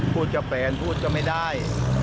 พูดกับแฟนพูดก็ไม่ได้